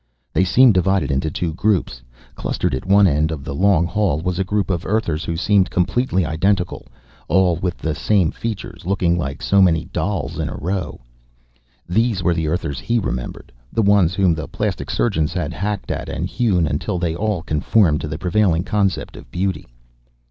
They seemed divided into two groups. Clustered at one end of the long hall was a group of Earthers who seemed completely identical, all with the same features, looking like so many dolls in a row. These were the Earthers he remembered, the ones whom the plastic surgeons had hacked at and hewn until they all conformed to the prevailing concept of beauty.